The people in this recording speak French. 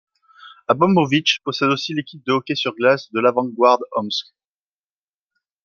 Abramovitch possède aussi l'équipe de hockey sur glace de l'Avangard Omsk.